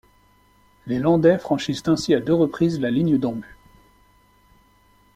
Les Landais franchissent ainsi à deux reprises la ligne d'en-but.